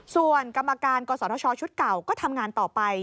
ส่วนกรรมการกศชชุดเก่าก็ทำงานต่อไป